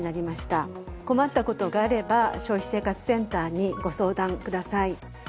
困った事があれば消費生活センターにご相談ください。